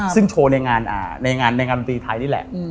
ซึ่งโชว์ในงานในงานดนตรีไทยนี่แหละ